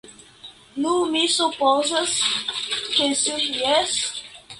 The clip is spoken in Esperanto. Nu, mi supozas ke jes?